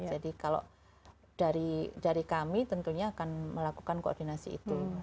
kalau dari kami tentunya akan melakukan koordinasi itu